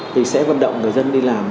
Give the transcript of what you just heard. thì sẽ vận động người dân đi làm